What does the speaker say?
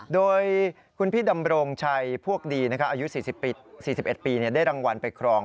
โดยคุณพี่ดำรงชัยพวกดีอายุ๔๑ปีได้รางวัลไปครอง